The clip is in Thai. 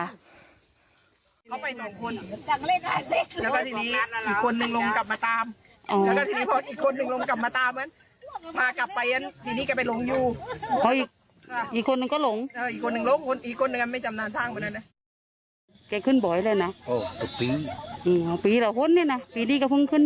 ล้อไปสองคนแล้วก็ทีนี้อีกคนนึงลงกลับมาตาม